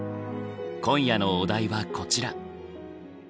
今夜のお題はこちら。